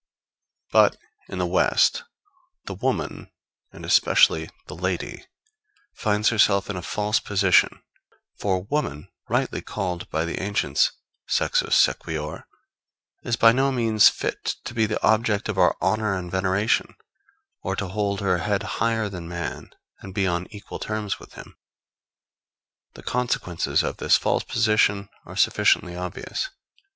But in the West, the woman, and especially the lady, finds herself in a false position; for woman, rightly called by the ancients, sexus sequior, is by no means fit to be the object of our honor and veneration, or to hold her head higher than man and be on equal terms with him. The consequences of this false position are sufficiently obvious.